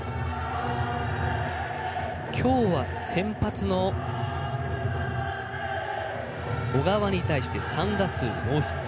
きょうは先発の小川に対して３打数ノーヒット。